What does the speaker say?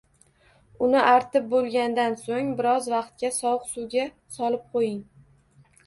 Uni artib bo'lgandan so'ng biroz vaqtga sovuq suvga solib qo'ying